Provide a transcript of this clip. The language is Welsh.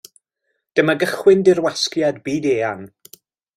Dyma gychwyn dirwasgiad byd-eang.